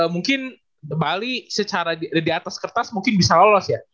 mungkin bali secara di atas kertas mungkin bisa lolos ya